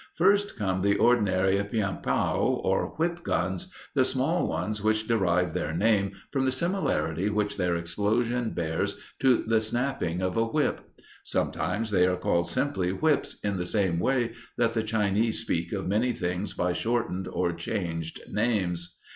First come the ordinary pien p'ao, or "whip guns," the small ones which derive their name from the similarity which their explosion bears to the snapping of a whip. Sometimes they are called simply "whips," in the same way that the Chinese speak of many things by shortened or changed names.